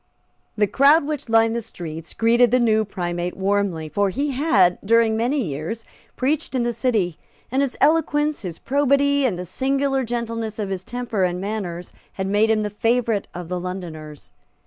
The crowd which lined the streets greeted the new Primate warmly. For he had, during many years, preached in the City; and his eloquence, his probity and the singular gentleness of his temper and manners, had made him the favourite of the Londoners.